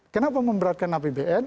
kenapa memberatkan apbn